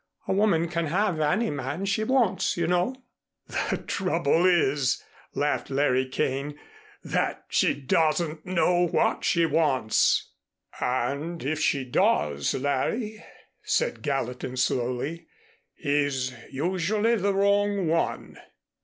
A woman can have any man she wants, you know." "The trouble is," laughed Larry Kane, "that she doesn't know what she wants." "And, if she does, Larry," said Gallatin slowly, "he's usually the wrong one."